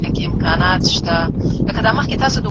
له یو بل سره مرسته کوئ.